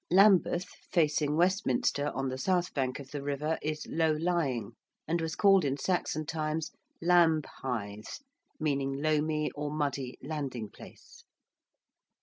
~Lambeth~, facing Westminster, on the south bank of the river, is low lying, and was called in Saxon times Lambhythe, meaning loamy or muddy landing place.